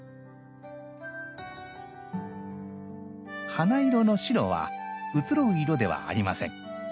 花色の白はうつろう色ではありません。